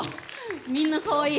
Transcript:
みんなかわいい。